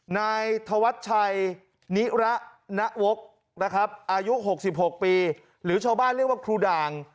นายธวัชชัยนิระนวกนะครับอายุ๖๖ปีหรือชาวบ้านเรียกว่าครูด่าง